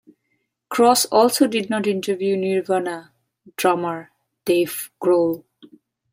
Cross also did not interview Nirvana drummer Dave Grohl.